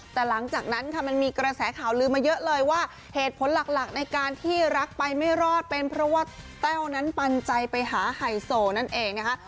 แต่หลังจากนั้นค่ะมันมีกระแสข่าวลืมมาเยอะเลยว่าเหตุผลหลักในการที่รักไปไม่รอดเป็นเพราะว่าแต้วนั้นปันใจไปหาไฮโซนั่นเองนะคะ